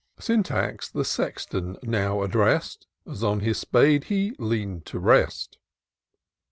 Sjnitax the Sexton now addressed. As on his spade he lean'd to rest.